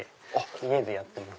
家でやってます。